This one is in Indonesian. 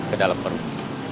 ke dalam perut